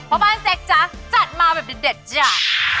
พ่อปั้นแจ็คจ๊ะจัดมาแบบเด็ดจ้ะ